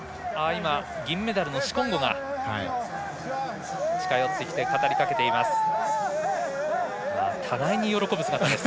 銀メダルのシコンゴが近寄ってきて語りかけています。